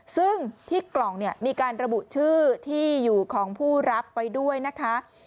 ซึ่งที่กล่องเนี่ยมีการระบุชื่อที่อยู่ของผู้รับไว้ด้วยนะคะ